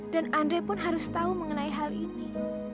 dan andre pun harus tahu mengenai hal ini